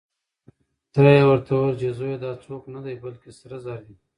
تره يې ورته وويل چې زويه دا څوک نه دی، بلکې سره زر دي.